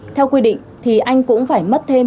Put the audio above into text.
theo quy định thì anh cũng phải mất thêm